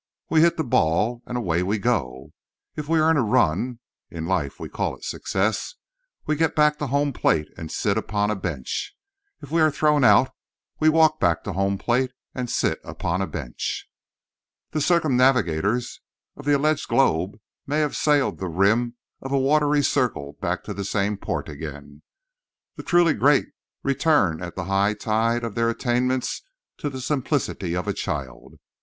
we hit the ball, and away we go. If we earn a run (in life we call it success) we get back to the home plate and sit upon a bench. If we are thrown out, we walk back to the home plate—and sit upon a bench. The circumnavigators of the alleged globe may have sailed the rim of a watery circle back to the same port again. The truly great return at the high tide of their attainments to the simplicity of a child.